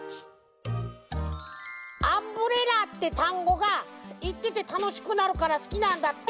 アンブレラってたんごがいっててたのしくなるからすきなんだって！